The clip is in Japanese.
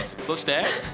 そして。